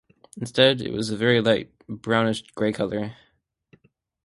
Instead, it is a very light brownish gray colour.